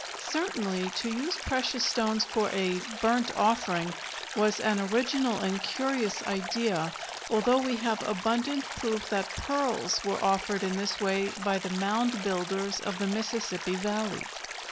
Certainly to use precious stones for a "burnt offering" was an original and curious idea, although we have abundant proof that pearls were offered in this way by the mound builders of the Mississippi Valley.